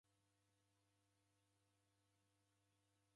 W'and w'eko huru loli?